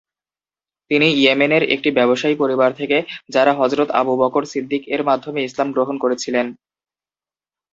তিনি ইয়েমেনের একটি ব্যবসায়ী পরিবার থেকে যারা হযরত আবু বকর সিদ্দিক এর মাধ্যমে ইসলাম গ্রহণ করেছিলেন।